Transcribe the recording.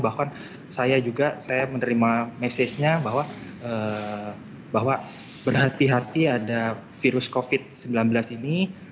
bahkan saya juga saya menerima message nya bahwa berhati hati ada virus covid sembilan belas ini